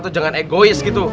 jangan egois gitu